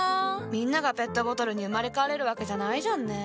みんながペットボトルに生まれ変われるわけじゃないじゃんね。